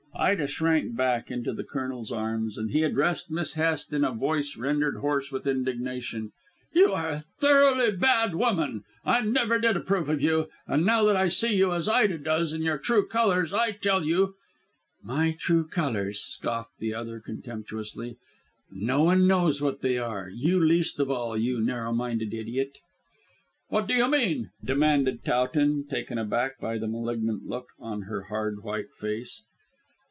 Ida shrank back into the Colonel's arms, and he addressed Miss Hest in a voice rendered hoarse with indignation. "You are a thoroughly bad woman. I never did approve of you, and now that I see you, as Ida does, in your true colours, I tell you " "My true colours," scoffed the other contemptuously. "No one knows what they are. You least of all, you narrow minded idiot." "What do you mean?" demanded Towton, taken aback by the malignant look on her hard white face.